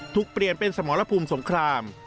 เปลี่ยนเป็นสมรภูมิสงคราม